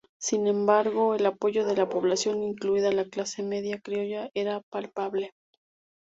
Sin embargo, el apoyo de la población, incluida la clase media criolla era palpable.